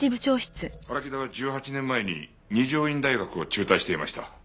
荒木田は１８年前に二条院大学を中退していました。